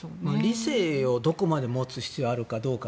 理性をどこまで持つ必要があるかどうか。